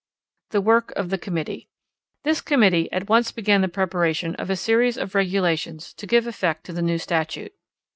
The Work of the Committee. This committee at once began the preparation of a series of regulations to give effect to the new statute.